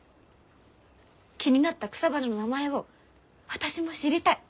気になった草花の名前を私も知りたい。